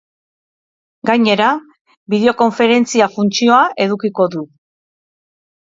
Gainera, bideokonferentzia funtzioa edukiko du.